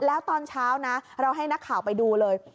แล้วตอนเช้านะเราให้นักข่าวไปดูเลย